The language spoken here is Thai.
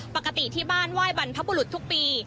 ปกติที่บ้านไหว้บรรพบุรุษทุกปี